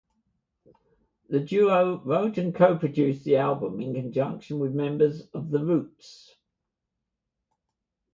The duo wrote and co-produced the album in conjunction with members of The Roots.